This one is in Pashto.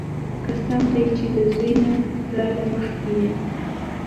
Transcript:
قسم دې چې د زوى نه راله مخكې يې.